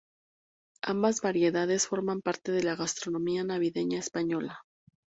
Ambas variedades forman parte de la gastronomía navideña española.